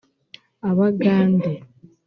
abagande